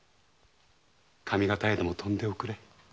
上方へでも飛んでおくれ。